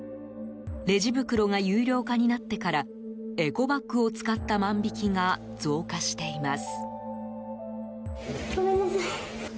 レジ袋が有料化になってからエコバッグを使った万引きが増加しています。